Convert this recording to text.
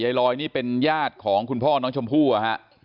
ยัยรอยล์นี่เป็นญาติของคุณพ่อน้องช่วงผู้อ่าฮะ